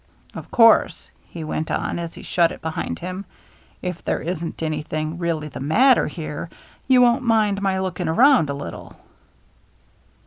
" Of course," he went on, as he shut it behind him, " if there isn't anything really the matter here, you won't mind my looking around a little."